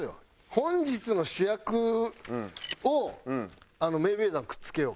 「本日の主役」をメイウェザーにくっつけようか。